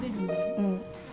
うん。